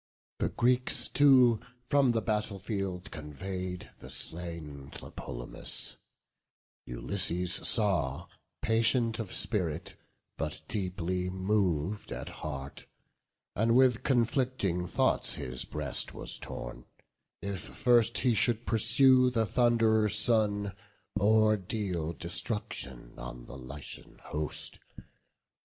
The Greeks too from the battle field convey'd The slain Tlepolemus; Ulysses saw, Patient of spirit, but deeply mov'd at heart; And with conflicting thoughts his breast was torn, If first he should pursue the Thund'rer's son, Or deal destruction on the Lycian host.